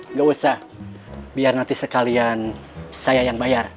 nggak usah biar nanti sekalian saya yang bayar